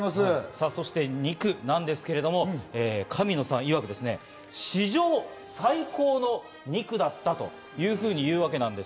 ２区なんですけれど、神野さんいわく、史上最高の２区だったというふうに言うわけです。